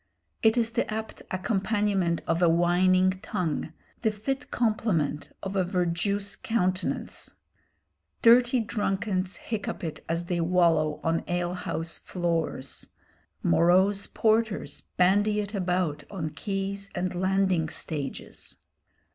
It is the apt accompaniment of a whining tongue, the fit complement of a verjuice countenance. Dirty drunkards hiccup it as they wallow on ale house floors. Morose porters bandy it about on quays and landing stages.